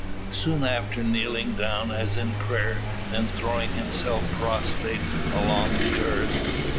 Soon after kneeling down as in prayer, then throwing himself prostrate along the earth.